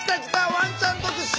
ワンちゃん特集！